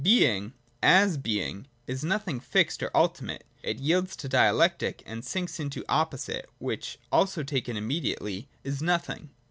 Being, as Being, is nothing fixed or ultimate : it yields to dialectic and sinks into its op posite, which, also taken immediately, is Nothing.